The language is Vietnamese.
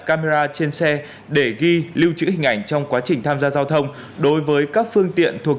camera trên xe để ghi lưu trữ hình ảnh trong quá trình tham gia giao thông đối với các phương tiện thuộc